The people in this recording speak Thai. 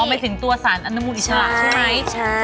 อ๋อมันถึงตัวสารอนุมูลอิสระใช่ไหมใช่